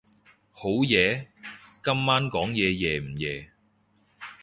好夜？今晚講嘢夜唔夜？